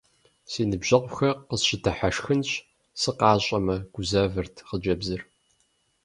Си ныбжьэгъухэр къысщыдыхьэшхынщ, сыкъащӀэмэ, - гузавэрт хъыджэбзыр.